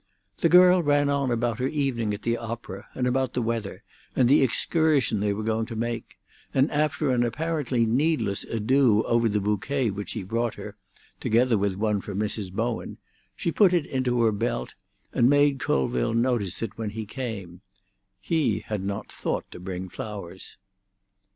The girl ran on about her evening at the opera, and about the weather, and the excursion they were going to make; and after an apparently needless ado over the bouquet which he brought her, together with one for Mrs. Bowen, she put it into her belt, and made Colville notice it when he came: he had not thought to bring flowers.